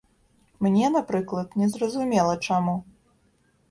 Мне, напрыклад, незразумела чаму.